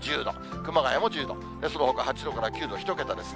熊谷も１０度、そのほか８度から９度、１桁ですね。